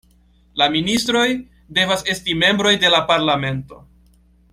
La ministroj devas esti membroj de la parlamento.